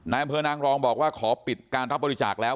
นายบริษัทนางรองบอกว่าขอปิดการรับบริจาคแล้ว